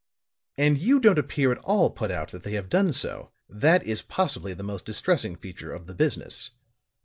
"And you don't appear at all put out that they have done so. That is possibly the most distressing feature of the business.